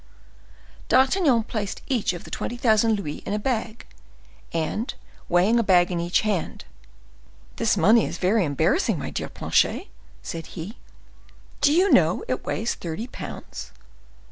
D'Artagnan placed each of the twenty thousand francs in a bag, and weighing a bag in each hand,—"This money is very embarrassing, my dear Planchet," said he. "Do you know this weighs thirty pounds?"